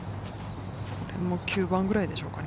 ９番ぐらいでしょうか？